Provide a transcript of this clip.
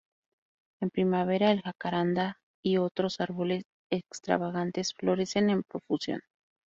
En primavera, el jacarandá y otros árboles extravagantes florecen en profusión.